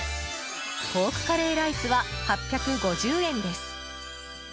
ポークカレーライスは８５０円です。